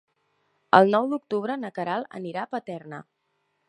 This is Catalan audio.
El nou d'octubre na Queralt anirà a Paterna.